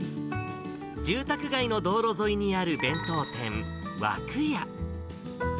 住宅街の道路沿いにある弁当店、わくや。